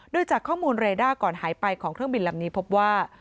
โดยจากข้อมูลเรด้าก่อนหายไปของเครื่องบินลำนี้พบว่า